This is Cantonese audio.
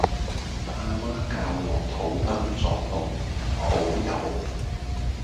阿媽教落肚 Dum 作動唔好游